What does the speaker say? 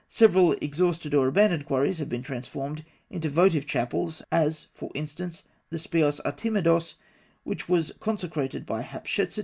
Several exhausted or abandoned quarries have been transformed into votive chapels; as, for instance, the Speos Artemidos, which was consecrated by Hatshepsut, Thothmes III.